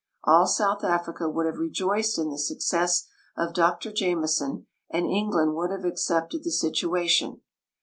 All South Africa would have rejoiced in the suc cess of Dr Jameson, and England would have accepted the situation.